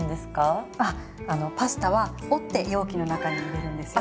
パスタは折って容器の中に入れるんですよ。